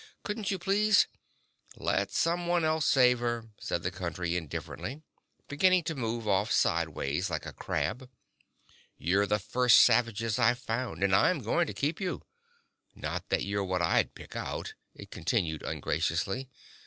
"Couldn't you, please—" "Let someone else save her," said the Country indifferently, beginning to move off sideways like a crab. "You're the first savages I've found and I'm going to keep you. Not that you're what I'd pick out," it continued ungraciously.